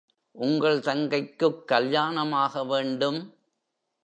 உங்கள் தங்கைக்குக் கல்யாணம் ஆக வேண்டும்!